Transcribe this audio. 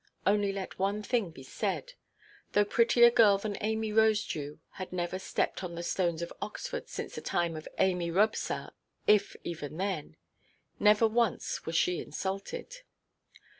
Only let one thing be said. Though prettier girl than Amy Rosedew had never stepped on the stones of Oxford since the time of Amy Robsart, if even then,—never once, was she insulted.